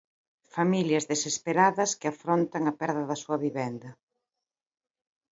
Familias desesperadas que afrontan a perda da súa vivenda.